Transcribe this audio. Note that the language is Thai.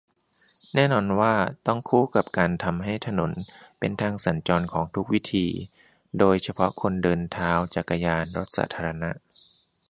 แน่นอนว่าต้องคู่กับการทำให้ถนนเป็นทางสัญจรของทุกวิธี โดยเฉพาะคนเดินท้า จักรยาน รถสาธารณะ